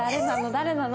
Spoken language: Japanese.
誰なの？